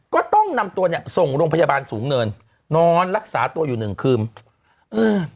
ก็ต้องนำตัวเนี้ยส่งโรงพยาบาลสูงเนินนอนรักษาตัวอยู่หนึ่งคืนอืม